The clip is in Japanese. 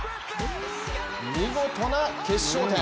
見事な決勝点！